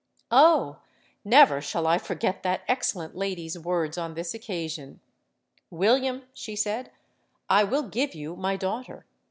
Oh! never shall I forget that excellent lady's words on this occasion. 'William,' she said, 'I will give you my daughter.